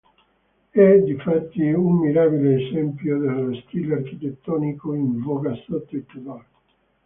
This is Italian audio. È difatti un mirabile esempio dello stile architettonico in voga sotto i Tudor.